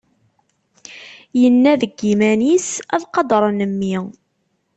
Inna deg yiman-is: Ad qadṛen mmi.